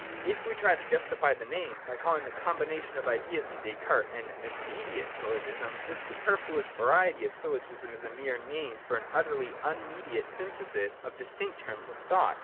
If we try to justify the name, by calling the combination of ideas in Descartes ; an ' immediate ' syllogism, this superfluous variety of syllogism is a mere name for an utterly unmediated synthesis of distinct terms of thought.